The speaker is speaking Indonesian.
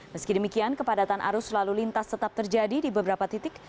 meski demikian kepadatan arus lalu lintas tetap terjadi di beberapa titik